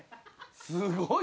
すごい。